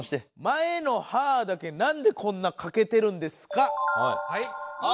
前の歯だけなんでこんな欠けてるんですか？